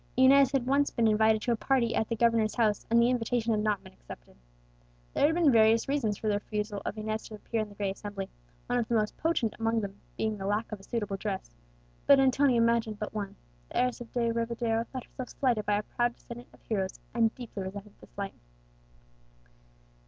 Inez had once been invited to a party at the governor's house, and the invitation had not been accepted. There had been various reasons for the refusal of Inez to appear in the gay assembly, one of the most potent amongst them being the lack of a suitable dress, but Antonia imagined but one. The heiress of De Rivadeo thought herself slighted by a proud descendant of heroes, and deeply resented the slight.